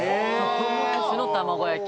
とうもろこしの卵焼き。